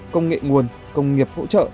công nghệ nguồn công nghiệp hỗ trợ